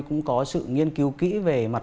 cũng có sự nghiên cứu kỹ về mặt